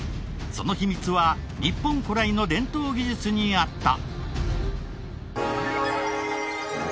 その秘密は日本古来の伝統技術にあった。